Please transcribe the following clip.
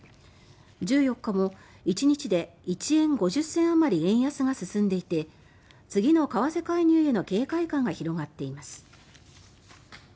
１４日も、１日で１円５０銭あまりの円安が進んでいて次の為替介入への警戒感が広がっています。